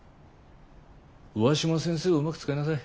上嶋先生をうまく使いなさい。